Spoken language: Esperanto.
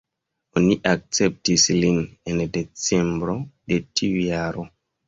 Oni akceptis lin en decembro de tiu jaro.